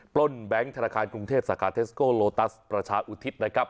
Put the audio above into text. ล้นแบงค์ธนาคารกรุงเทพสาขาเทสโกโลตัสประชาอุทิศนะครับ